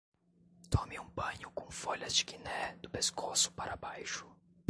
Tome um banho com folhas de guiné do pescoço para baixo